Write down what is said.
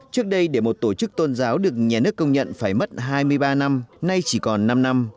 trước đây để một tổ chức tôn giáo được nhà nước công nhận phải mất hai mươi ba năm nay chỉ còn năm năm